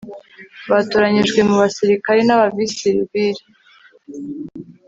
batoranyijwe mu ba sirikare n'abasivire